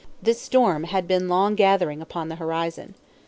This storm had been long gathering upon the horizon.